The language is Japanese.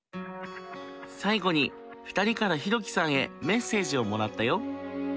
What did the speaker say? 最後に２人からヒロキさんへメッセージをもらったよ。